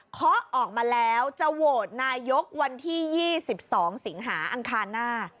เคาะออกมาแล้วจะโหวตนายกวันที่๒๒สิงหาอังคารหน้า